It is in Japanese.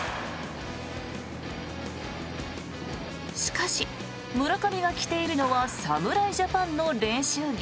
しかし、村上が着ているのは侍ジャパンの練習着。